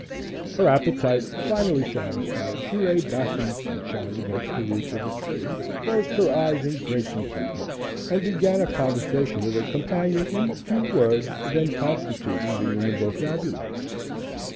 Her appetite finally satisfied, she lay back in the sunshine against the roots of a tree, closed her eyes in great contentment, and began a conversation with her companion in the few words then constituting the human vocabulary.